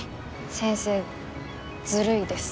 先生ずるいです。